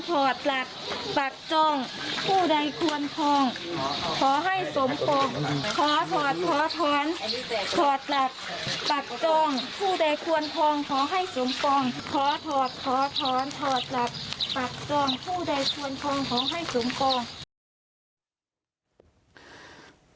ถอดหลับปัจจงผู้ได้ควรพองขอให้สมปอง